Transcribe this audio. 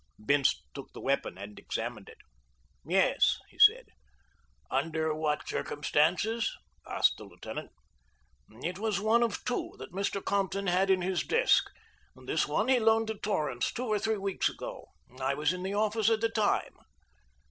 Bince took the weapon and examined it. "Yes," he said. "Under what circumstances?" asked the lieutenant. "It was one of two that Mr. Compton had in his desk. This one he loaned to Torrance two or three weeks ago. I was in the office at the time."